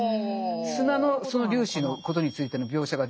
砂のその粒子のことについての描写が出てきますよね。